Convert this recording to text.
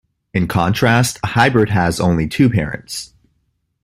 In contrast, a hybrid has only two parents.